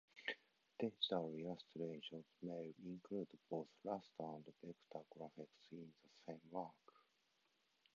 Digital illustrations may include both raster and vector graphics in the same work.